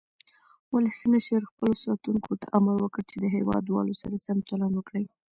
ولسمشر خپلو ساتونکو ته امر وکړ چې د هیواد والو سره سم چلند وکړي.